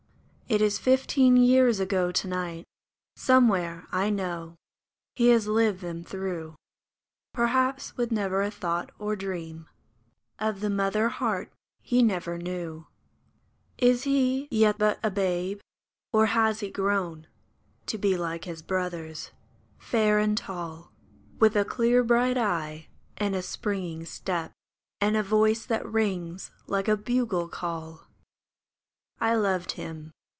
It is fifteen years ago to night ; Somewhere, I know, he has lived them through, Perhaps with never a thought or dream Of the mother heart he never knew ! Is he yet but a babe ? or has he grown To be like his brothers, fair and tall. With a clear, bright eye, and a springing step, And a voice that rings like a bugle call ? 1 loved him.